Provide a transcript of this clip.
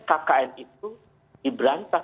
kkn itu diberantah